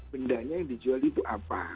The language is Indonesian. bendanya yang dijual itu apa